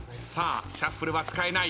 シャッフルは使えない。